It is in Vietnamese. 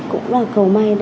cũng là cầu may